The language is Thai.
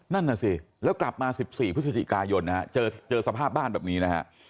นั่นน่ะสิแล้วกลับมา๑๔พฤศจิกายนนะฮะเจอสภาพบ้านแบบนี้นะฮะ